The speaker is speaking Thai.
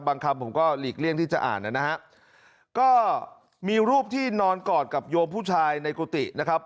คำผมก็หลีกเลี่ยงที่จะอ่านนะฮะก็มีรูปที่นอนกอดกับโยมผู้ชายในกุฏินะครับ